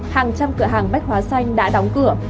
hàng trăm cửa hàng bách hóa xanh đã đóng cửa